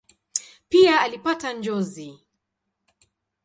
Pia alipata njozi.